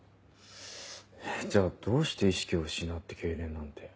じゃあどうして意識を失って痙攣なんて。